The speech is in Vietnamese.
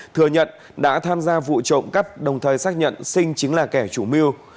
thừa nhận đã tham gia vụ trộm cắp đồng thời xác nhận sinh chính là kẻ chủ mưu